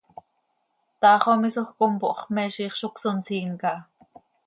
Taax oo misoj oo compooh x, me ziix zo cösonsiin caha.